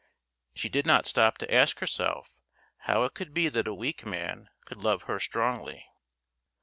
She did not stop to ask herself how it could be that a weak man could love her strongly.